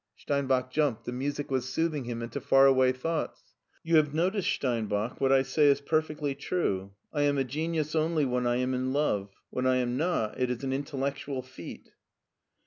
Steinbach jumped ; the music was soothing him into far away thoughts. "You have noticed, Steinbach, what I say is per fectly true. I am a genius only when I am in love. When I am not, it is an intellectual feat."